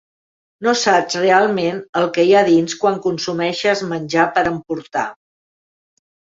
No saps realment el que hi ha dins quan consumeixes menjar per emportar.